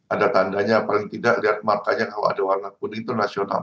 ada tandanya paling tidak lihat matanya kalau ada warna kuni itu nasional